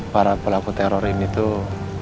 para pelaku teror ini tuh